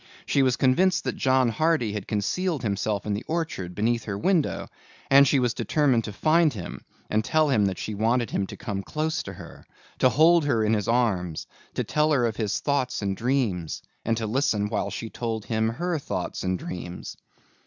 She was convinced that John Hardy had concealed himself in the orchard beneath her window and she was determined to find him and tell him that she wanted him to come close to her, to hold her in his arms, to tell her of his thoughts and dreams and to listen while she told him her thoughts and dreams.